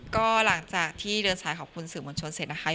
ก็หลังจากที่เดินสายขอบคุณสื่อมวลชนเสร็จนะคะ